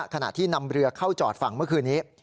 ขณะที่นำเรือเข้าจอดฝั่งเมื่อคืนนี้